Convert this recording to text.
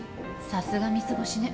さすが三つ星ね。